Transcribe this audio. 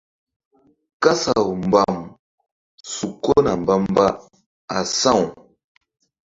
Kasaw mbam su kona mbamba asaw.